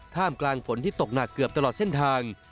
กลางฝนที่ตกหนักเกือบตลอดเส้นทาง